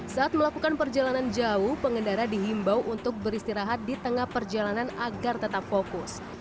saat melakukan perjalanan jauh pengendara dihimbau untuk beristirahat di tengah perjalanan agar tetap fokus